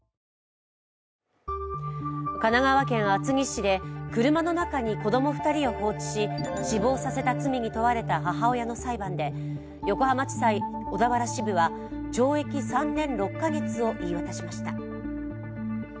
神奈川県厚木市で車の中に子供２人を放置し、死亡させた罪に問われた母親の裁判で横浜地裁小田原支部は懲役３年６か月を言い渡しました。